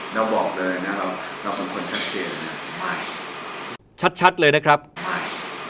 เราบอกเลยนะเราเราเป็นคนชัดเจนชัดเลยนะครับไม่